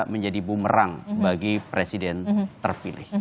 menjadi bumerang bagi presiden terpilih